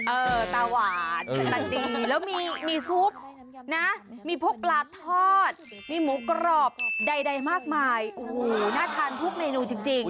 เออตาหวานดีแล้วมีซุปนะมีพวกปลาทอดมีหมูกรอบใดมากมายโอ้โหน่าทานทุกเมนูจริง